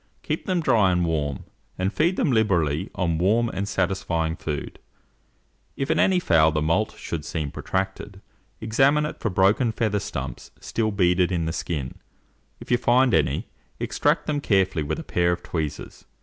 Keep them dry and warm, and feed them liberally on warm and satisfying food. If in any fowl the moult should seem protracted, examine it for broken feather stumps still beaded in the skin: if you find any, extract them carefully with a pair of tweezers.